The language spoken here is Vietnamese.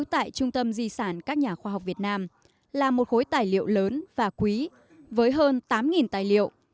tại trung tâm di sản các nhà khoa học việt nam là một khối tài liệu lớn và quý với hơn tám tài liệu